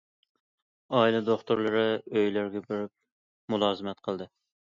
« ئائىلە دوختۇرلىرى» ئۆيلەرگە بېرىپ مۇلازىمەت قىلدى.